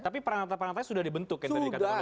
tapi peranata peranatanya sudah dibentukin tadi